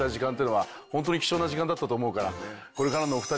だったと思うから。